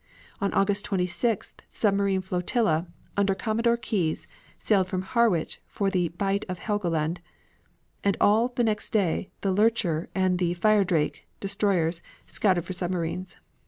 On August 26th the submarine flotilla, under Commodore Keyes, sailed from Harwich for the Bight of Helgoland, and all the next day the Lurcher and the Firedrake, destroyers, scouted for submarines.